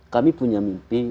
kami punya mimpi